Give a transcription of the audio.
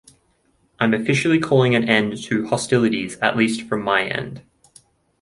I'm officially calling an end to hostilities, at least from my end.